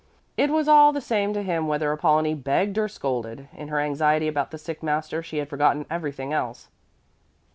It was all the same to him whether Apollonie begged or scolded. In her anxiety about the sick master she had forgotten everything else.